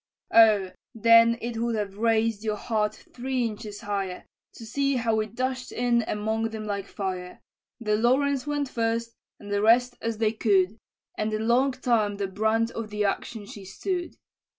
"Oh! then it would have raised your hat three inches higher, To see how we dash'd in among them like fire! The Lawrence went first, and the rest as they could, And a long time the brunt of the action she stood.